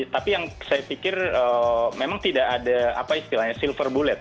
tapi yang saya pikir memang tidak ada apa istilahnya silver bulet